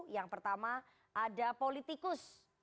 yang pertama ada politikus